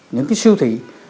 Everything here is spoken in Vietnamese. những cái siêu thị